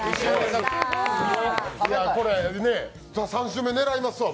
３週目狙いますわ。